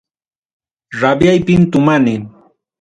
Rabiaypim tomani.